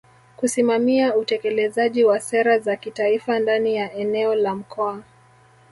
kusimamia utekelezaji wa sera za kitaifa ndani ya eneo la Mkoa